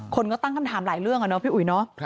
คนก็ตั้งคำถามหลายเรื่องอะเนาะพี่อุ๋ยเนอะ